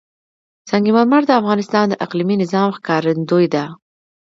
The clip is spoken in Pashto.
سنگ مرمر د افغانستان د اقلیمي نظام ښکارندوی ده.